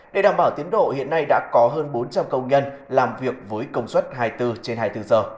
để đảm bảo tiến độ hiện nay đã có hơn bốn trăm linh công nhân làm việc với công suất hai mươi bốn trên hai mươi bốn giờ